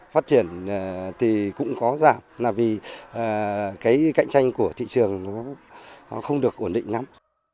phát triển thì cũng có giảm là vì cái cạnh tranh của thị trường nó không được ổn định lắm